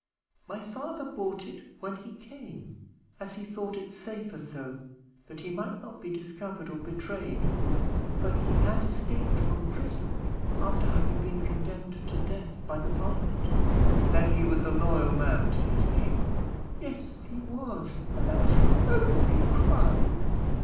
"My father bought it when he came, as he thought it safer so, that he might not be discovered or betrayed; for he had escaped from prison after having been condemned to death by the Parliament." "Then he was a loyal man to his king?" "Yes, he was, and that was his only crime."